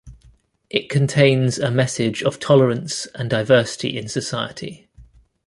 It contains a message of tolerance and diversity in society.